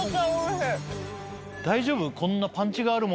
大丈夫？